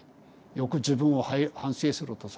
よく自分を反省するとさ。